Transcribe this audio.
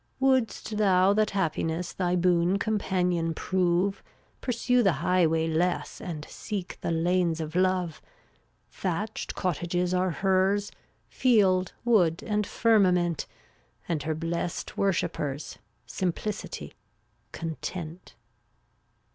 391 Wouldst thou that Happiness Thy boon companion prove, Pursue the highway less And seek the lanes of love. Thatched cottages are hers, Field, wood and firmament, And her blest worshipers, Simplicity, Content.